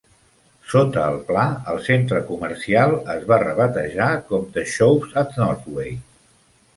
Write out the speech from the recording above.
Sota el pla, el centre comercial es va rebatejar com The shoppes at Northway.